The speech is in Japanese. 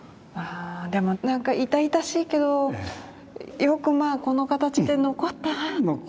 でもなんか痛々しいけどよくまあこの形で残ったなって。